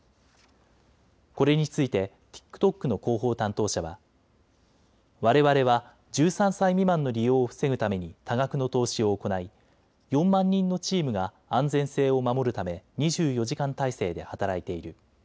これについてＴｉｋＴｏｋの広報担当者はわれわれは１３歳未満の利用を防ぐために多額の投資を行い４万人のチームが安全性を守るため２４時間態勢で働いている。